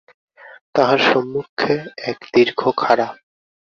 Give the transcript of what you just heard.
তাঁহার সম্মুখে এক দীর্ঘ খাঁড়া।